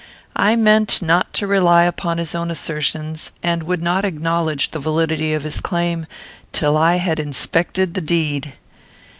I meant not to rely upon his own assertions, and would not acknowledge the validity of his claim till I had inspected the deed.